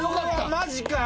マジかい。